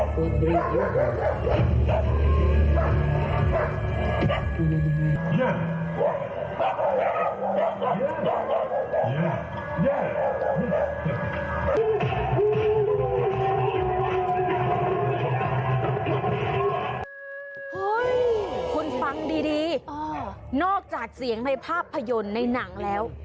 เฮ้ยคุณฟังดีนอกจากเสียงในภาพยนตร์ในหนังแล้ว